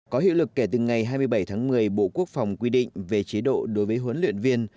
có hiệu lực kể từ ngày hai mươi bảy tháng một mươi bộ quốc phòng quy định về chế độ đối với huấn luyện viên